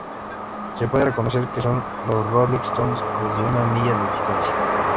Se puede reconocer que son los Rolling Stones desde una milla de distancia".